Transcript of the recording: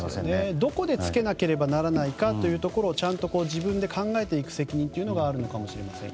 どこでつけなければならないかをちゃんと自分で考えていく責任があるのかもしれませんね。